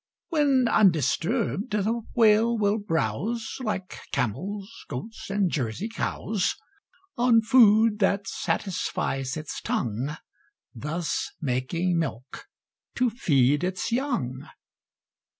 When undisturbed, the Whale will browse Like camels, goats, and Jersey cows, On food that satisfies its tongue, Thus making milk to feed its young.